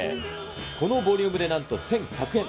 このボリュームでなんと１１００円。